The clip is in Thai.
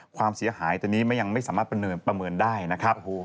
ความเสียหายตอนนี้ยังไม่สามารถประเมินได้นะครับ